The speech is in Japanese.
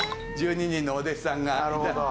１２人のお弟子さんがいて。